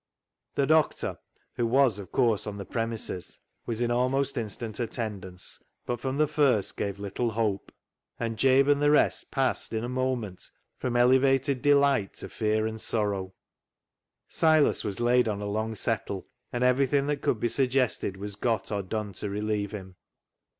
The doctor, who was, of course, on the premises, was in almost instant attendance, but from the first gave little hope. And Jabe 362 CLOG SHOP CHRONICLES and the rest passed in a moment from elevated delight to fear and sorrow. Silas was laid on a long settle, and everything that could be suggested was got or done to relieve him.